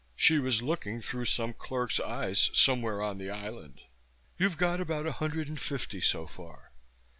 She was looking through some clerk's eyes, somewhere on the island. "You've got about a hundred and fifty so far.